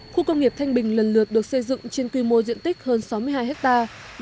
khu công nghiệp thanh bình lần lượt được xây dựng trên quy mô diện tích hơn sáu mươi hai hectare